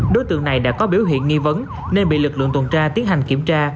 đối tượng này đã có biểu hiện nghi vấn nên bị lực lượng tuần tra tiến hành kiểm tra